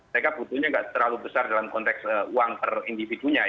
mereka butuhnya nggak terlalu besar dalam konteks uang per individunya ya